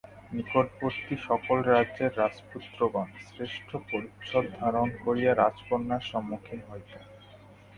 নিকটবর্তী সকল রাজ্যের রাজপুত্রগণ শ্রেষ্ঠ পরিচ্ছদ ধারণ করিয়া রাজকন্যার সম্মুখীন হইতেন।